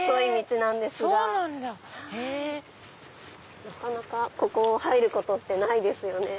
なかなかここ入ることってないですよね。